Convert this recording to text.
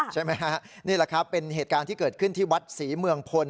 ใช่ไหมฮะนี่แหละครับเป็นเหตุการณ์ที่เกิดขึ้นที่วัดศรีเมืองพล